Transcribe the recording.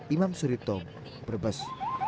imam surito berbes